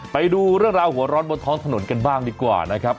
ไปดูเรื่องราวหัวร้อนบนท้องถนนกันบ้างดีกว่านะครับ